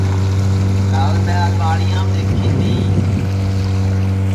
کال میں الماڑیام دؔیکھی تی